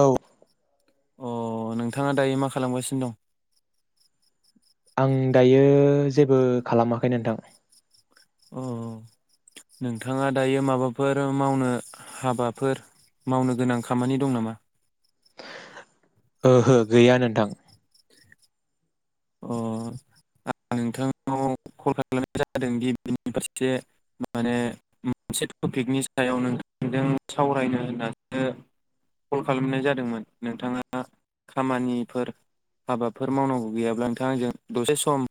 औ अ नोंथाङा दायो मा खालामगासिनो दं? आं दायो जेबो खालामाखै नोंथां। अ नोंथाङा दायो माबाफोर मावनो हाबाफोर मावनो गोनां खामानि दं नामा? ओहो गैया नोंथां। अ आ नोंथांनाव कल खालामनाय जादों गिबिनि फारसे माने मोनसे टपिकनि सायाव नोंथांजों सावरायनो होननासो कल खालामनाय जादोंमोन नोंथाङा खामानिफोर हाबाफोर मावनांगौ गैयाब्ला? थांजों दसे सम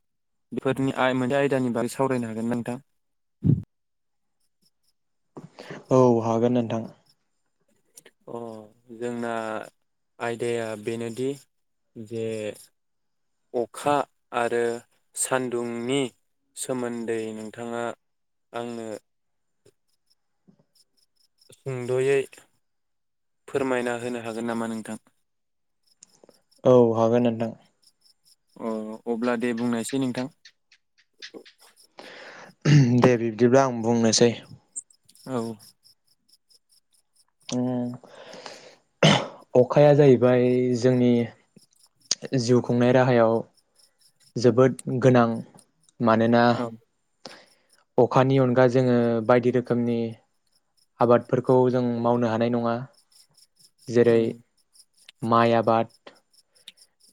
बेफोरनि आइ मोनसे आयदानि बागै सावरायनो हागोन नोंथां? अ हागोन नोंथां। अ जोंना आयदाया बेनोदि जे अखा आरो सान्दुंनि सोमोन्दै नोंथाङा आंनो सुंद'यै फोरमायना होनो हागोन नामा नोंथां? औ हागोन नोंथां। अ अब्ला दे बुंनायसै नोंथां। दे बिब्दिब्ला आं बुंनोसै। औ। ओम अखाया जाहैबाय जोंनि जिउ खुंनाय राहायाव जोबोद गोनां मानोना औ अखानि अनगा जोङो बायदि रोखोमनि आबादफोरखौ जों मावनो हानाय नङा। औ जेरै माइ आबाद।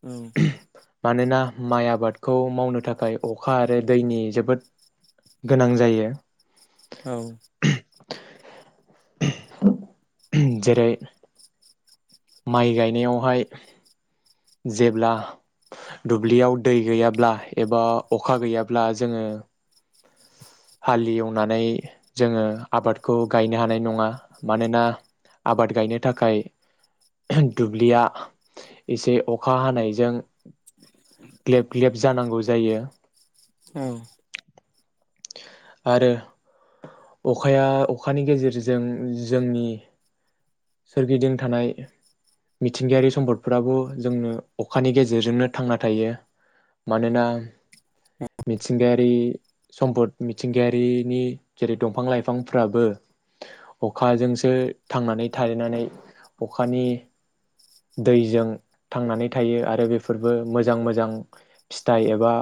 औ। मानोना माइ आबादखौ मावनो थाखाय अखा आरो दैनि जोबोद गोनां जायो। औ [inaudible] जेरै माइ गायनायावहाय जेब्ला दुब्लियाव दै गैयाब्ला एबा अखा गैयाब्ला जोङो हालि एवनानै जोङो आबादखौ गायनो हानाय नङा। मानोना आबाद गायनो थाखाय दुब्लिया एसे अखा हानायजों ग्लेब ग्लेब जानांगौ जायो। ओं। आरो अखाया अखानि गेजेरजों जोंनि सोरगिदिं थानाय मिथिंगायारि सम्पदफोराबो जोंनो अखानि गेजेरजोंनो थांना थायो मानोना मिथिंगायारि सम्पद मिथिंगायारिनि जेरै दंफां लाइफांफ्राबो अखाजोंसो थांनानै थायनानै अखानि दैजों थांनानै थायो आरो बेफोरबो मोजां मोजां फिथाइ एबा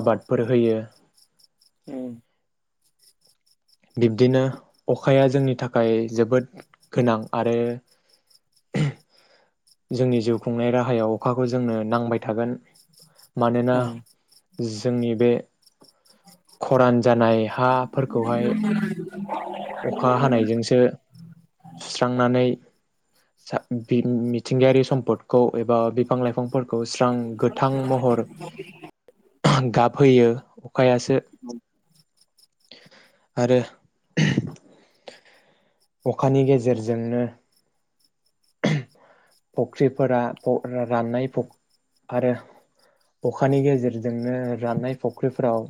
आबादफोर होयो। औ बिब्दिनो अखाया जोंनि थाखाय जोबोद गोनां आरो जोंनि जिउ खुंनाय राहायाव अखाखौ जोंनो नांबाय थागोन‌। मानोना औ जोंनि बे खरान जानाय हाफोरखौहाय अखा हानायजोंसो सुस्रांनानै सा बि मिथिंगायारि सम्पदखौ एबा बिफां लाइफांफोरखौ स्रां गोथां महर गाब होयो अखायासो आरो अखानि गेजेरजोंनो [inaudible] फख्रिफोरा फ राननाय फ आरो अखानि गेजेरजोंनो राननाय फख्रिफोराव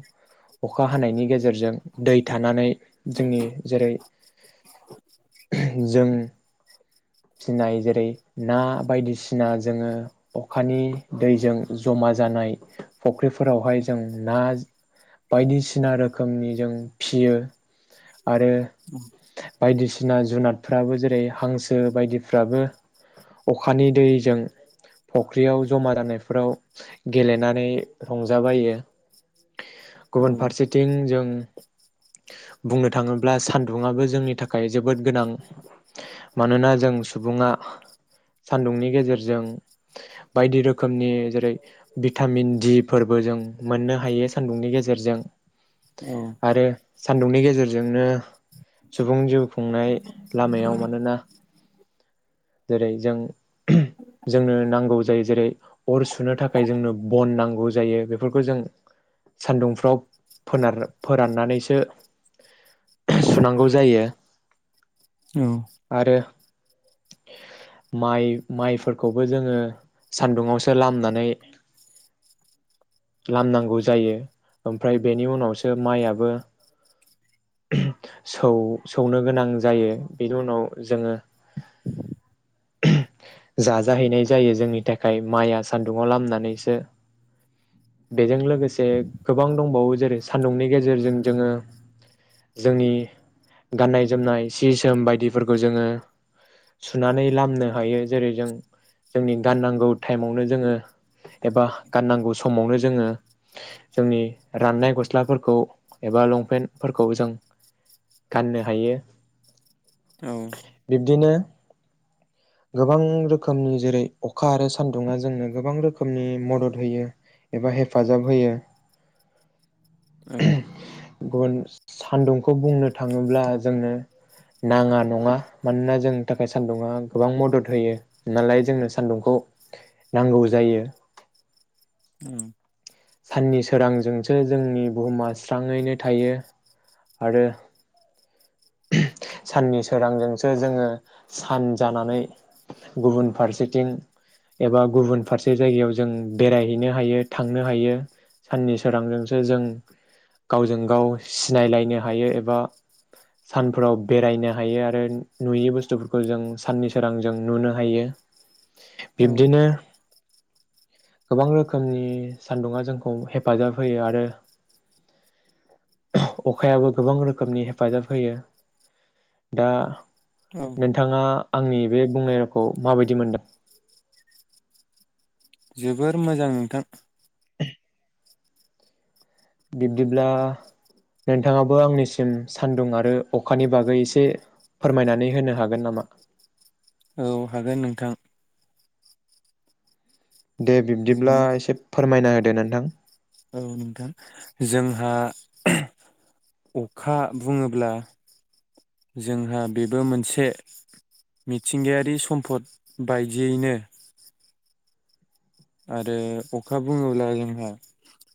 अखा हानायनि गेजेरजों दै थानानै जोंनि जेरै जों फिनाय जेरै ना बायदिसिना जोङो अखानि दैजों ज'मा जानाय फुख्रिफोरावहाय जों ना बायदिसिना रोखोमनि जों फियो आरो बायदिसिना जुनादफ्राबो जेरै हांसो बायदिफ्राबो अखानि दैजों फख्रियाव जमा जानायफोराव गेलेनानै रंजाबायो। गुबुन फारसेथिं जों बुंनो थाङोब्ला सानदुङाबो जोंनि थाखाय जोबोद गोनां मानोना जों सुबुङा सान्दुंनि गेजेरजों बायदि रोखोमनि जेरै भिटामिन दि फोरबो जों मोननो हायो सान्दुंनि गेजेरजों। औ आरो सान्दुंनि गेजेरजोंनो सुबुं जिउ खुंनाय लामायाव मानोना जेरै जों जोंनो नांगौ जायो जेरै अर सुनो थाखाय जोंनो बन नांगौ जायो बेफोरखौ जों सानदुंफ्राव फोनार फोराननानैसो सुनांगौ जायो। औ। आरो माइ माइफोरखौबो जोङो सानदुंआवसो लामनानै लामनांगौ जायो ओमफ्राय बेनि उनावसो माइयाबो सौ-सौनो गोनां जायो। बेनि उनाव जोङो जाजाहैनाय जायो जोंनि थाखाय माइआ सान्दुंआव लामनानैसो। बेजों लोगोसे गोबां दंबावो जेरै सान्दुंनि गेजेरजों जोङो जोंनि गाननाय जोमनाय सि जोम बायदिफोरखौ जोङो सुनानै लामनो हायो जेरै जों जोंनि गाननांगौ टाइमावनो जोङो एबा गाननांगौ समावनो जोङो जोंनि राननाय गस्लाफोरखौ एबा लंपेन्टफोरखौ जों गाननो हायो। औ बिब्दिनो गोबां रोखोमनि जेरै अखा आरो सानदुङा जोंनो गोबां रोखोमनि मदद होयो एबा हेफाजाब होयो। औ। गुबुन सान्दुंखौ बुंनो थाङोब्ला जोंनो नाङा नङा मानोना जोंनि थाख थाखाय सान्दुुंआ गोबां मदद होयो नालाय जोंनो सान्दुंखौ नांगौ जायो साननि सोरांजोंसो जोंनि बुहुमा स्राङैनो थायो आरो ओम साननि सोरांजोंसो जोङो सान जानानै गुबुन फारसेथिं एबा गुबुन फारसे जायगायाव जों बेरायहैनो हायो थांनो हायो साननि सोरांजोंसो जों गावजों गाव सिनायलायनो हायो एबा सानफोराव बेरायनो हायो आरो नुयै बुस्थुफोरखौ जों साननि सोरांजों नुनो हायो बिब्दिनो गोबां रोखोमनि सान्दुंङा जोंखौ हेफाजाब होयो आरो अखायाबो गोबां रोखोमनि हेफाजाब होयो दा औ नोंथाङा आंनि बे बुंनाय रावखौ माबायदि मोनदों जोबोर मोजां नोंथां [unintelligible] बिब्दिब्ला नोंथाङाबो आंनिसिम सान्दुं आरो अखानि बागै एसे फोरमायनानै होनो हागोन नामा? औ हागोन नोंथां दे बिब्दिब्ला जों एसे फोरमायना होद दे नोंथां औ नोंथां जोंहा अखा बुङोब्ला जोंहा बेबो मोनसे मिथिंगायारि सम्पद बायदियैनो आरो अखा बुङोब्ला जोंहा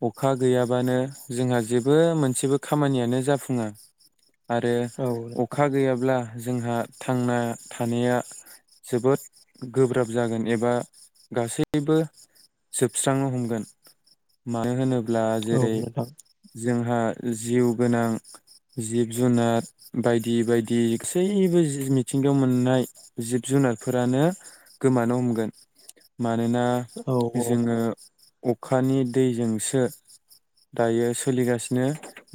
अखा गैयाबानो जोंहा जेबो मोनसेबो खामानियानो जाफुङा आरो औ नोंथां अखा गैयाब्ला जोंहा थांना थानाया जोबोद गोब्राब जागोन एबा गासैबो जोबस्रांनो हमगोन मानो होनोब ब्ला औ जेरै नोंथां जोंहा जिउ गोनां जिब जुनार बायदि बायदि गासैबो जि मिथिंगायाव मोननाय जिब जुनारफोरानो गोमानो हमगोन मानोना औ औ जोङो अखानि दैजोंसो दायो सोलिगासिनो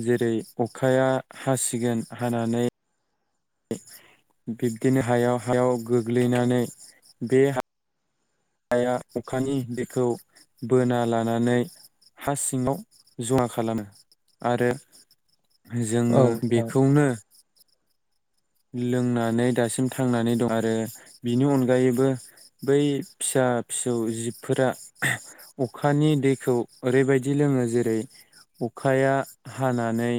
जेरै अखाया हासिगोन हानानै बिब्दिनो हायाव हायाव गोग्लैनानै बे हा हाया अखानि दैखौ बोना लानानै हा सिङाव जमा खालामो आरो औ जोङो नोंथां बेखौनो लोंनानै दासिम थांनानै दं आरो बिनि अनगायैबो बै फिसा फिसौ जिबफोरा अखानि दैखौ ओरैबायदि लोङो जेरै अखाया हानानै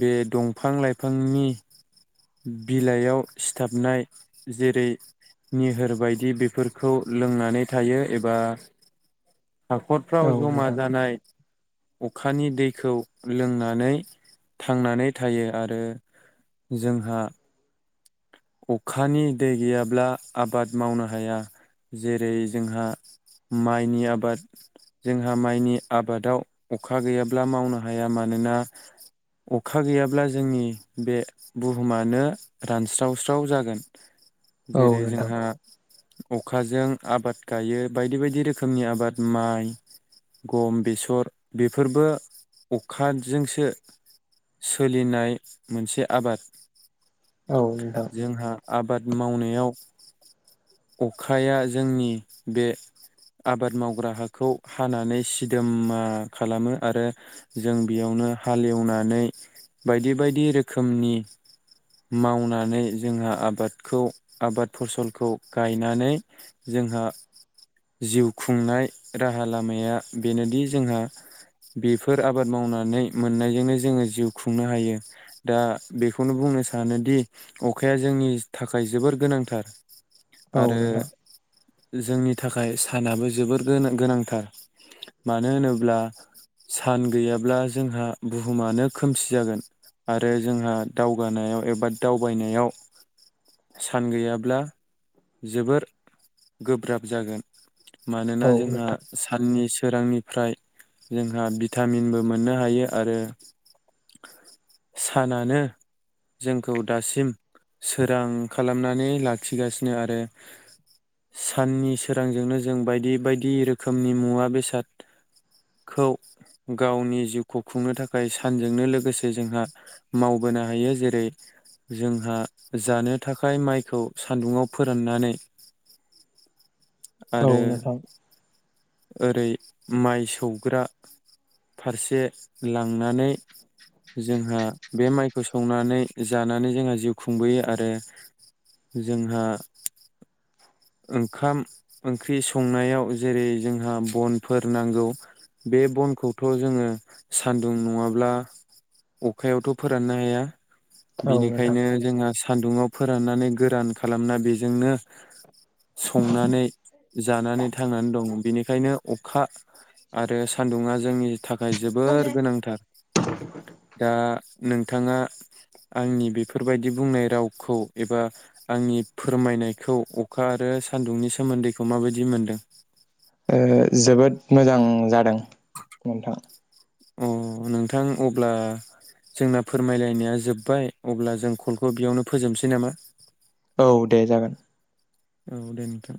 बे दंफां लाइफांनि बिलाइयाव सिथाबनाय जेरै निहोर बायदि बेफोरखौ लोंनानै थायो एबा हाखरफ्राव औ जमा नोंथां जानाय अखानि दैखौ लोंनानै थांनानै थायो आरो जोंहा अखानि दै गैयाब्ला आबाद मावनो हाया जेरै जोंहा माइनि आबाद जोंहा माइनि आबादाव अखा गैयाब्ला मावनो हाया मानोना अखा गैयाब्ला जोंनि बे बुहुमानो रानस्रावस्राव जागोन औ जेरै नोंथां जोंहा अखाजों आबाद गायो बायदि बायदि रोखोमनि आबाद माइ गम बेसर बेफोरबो अखाजोंसो सोलिनाय मोनसे आबाद औ नोंथां जोंहा आबाद मावनायाव अखाया जोंनि बे आबाद मावग्रा हाखौ हानानै सिदोमा खालामो आरो जों बेयावनो हालेवनानै बायदि बायदि रोखोमनि मावनानै जोंहा आबादखौ आबाद फसलखौ गायनानै जोंहा जिउ खुंनाय राहा लामाया बेनोदि जोंहा बेफोर आबाद मावनानै मोननायजोंनो जोङो जिउ खुंनो हायो दा बेखौनो बुंनो सानो। सानोदि अखाया जोंनि थाखाय जोबोर गोनांथार। औ आरो नोंथां जोंनि थाखाय सानाबो जोबोर गोनां गोनांथार मानो होनोब्ला सान गैयाब्ला जोंहा बुहुमानो खोमसि जागोन आरो जोंहा दावगानायाव एबा दावबायनायाव सान गैयाब्ला जोबोर गोब्राब जागोन। मानोना औ जोंहा नोंथां साननि सि सोरांनिफ्राय जोंहा भिटामिनबो मोननो हायो आरो सानानो जोंखौ दासिम सोरां खालामनानै लाखिगासिनो आरो साननि सोरांजोंनो जों बायदि बायदि रोखोमनि मुवा बेसादखौ गावनि जिउखौ खुंनो थाखाय सानजोंनो लोगोसे जोंहा मावबोनो हायो जेरै जोंहा जानो थाखाय माइखौ सान्दुंङाव फोराननानै औ आरो नोंथां ओरै माइ सौग्रा फारसे लांनानै जोंहा बे माइखौ सौनानै जानानै जोंहा जिउ खुंबोयो आरो जोंहा ओंखाम ओंख्रि संनायाव जेरै जोंहा बनफोर नांगौ बे बनखौथ' जोङो सानदुं नङाब्ला अखायावथ' फोराननो हाया। औ नोंथां बिनिखायनो जोंहा सा सान्दुङाव फोराननानै गोरान खालामना बेजोंनो संनानै जानानै थांनानै दं। बेनिखायनो अखा आरो सान्दुंङा जोंनि थाखाय जोबोर गोनांथार दा नोंथाङा आंनि बेफोरबायदि बुंनाय रावखौ एबा आंनि फोरमायनायखौ अखा आरो सान्दुंनि सोमोन्दैखौ माबायदि मोनदों? ओ जोबोद मोजां जादों नोंथां। अ नोंथां अब्ला जोंना फोरमायलायनाया जोब्बाय अब्ला जों कलखौ बेयावनो फोजोबनोसै नामा? औ दे जागोन। औ दे नोंथां।